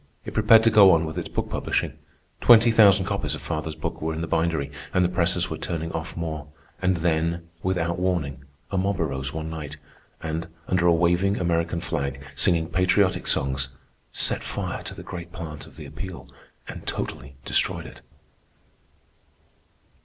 It prepared to go on with its book publishing. Twenty thousand copies of father's book were in the bindery, and the presses were turning off more. And then, without warning, a mob arose one night, and, under a waving American flag, singing patriotic songs, set fire to the great plant of the Appeal and totally destroyed it.